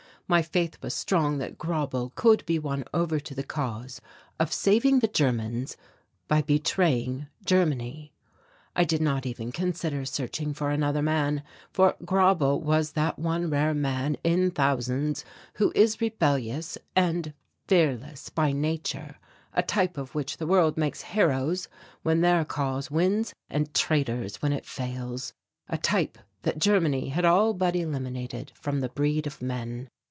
My faith was strong that Grauble could be won over to the cause of saving the Germans by betraying Germany. I did not even consider searching for another man, for Grauble was that one rare man in thousands who is rebellious and fearless by nature, a type of which the world makes heroes when their cause wins and traitors when it fails a type that Germany had all but eliminated from the breed of men.